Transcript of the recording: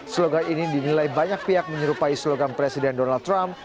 slogan ini dinilai banyak pihak menyerupai slogan presiden donald trump